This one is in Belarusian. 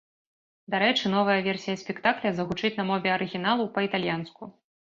Дарэчы, новая версія спектакля загучыць на мове арыгіналу, па-італьянску.